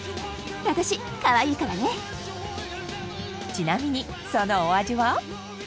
ちなみにそのお味は？